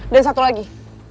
dan satu lagi